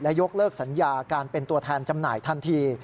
ยกเลิกสัญญาการเป็นตัวแทนจำหน่ายทันที